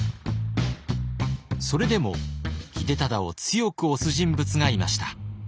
それでも秀忠を強く推す人物がいました。